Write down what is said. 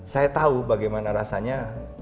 saya tahu bagaimana rasanya